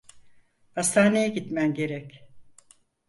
Hastaneye gitmen gerek.